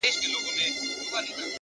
صادق چلند اوږد درناوی ګټي,